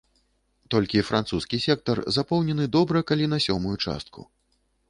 Толькі французскі сектар запоўнены добра калі на сёмую частку.